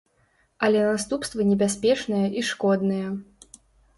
Але наступствы небяспечныя і шкодныя.